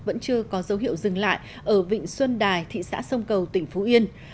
vẫn chưa có dấu hiệu dừng lại ở vịnh xuân đài thị xã sông cầu tỉnh phú yên